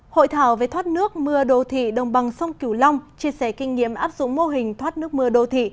hội thảo về thoát nước mưa đô thị đồng bằng sông cửu long chia sẻ kinh nghiệm áp dụng mô hình thoát nước mưa đô thị